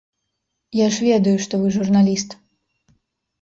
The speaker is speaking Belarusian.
Я ж ведаю, што вы журналіст.